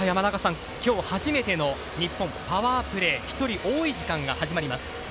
きょう初めての日本パワープレー１人多い時間が始まります。